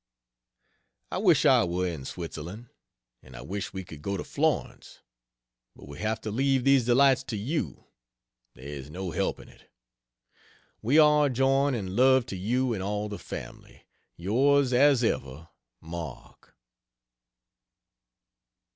I wish I were in Switzerland, and I wish we could go to Florence; but we have to leave these delights to you; there is no helping it. We all join in love to you and all the family. Yours as ever MARK.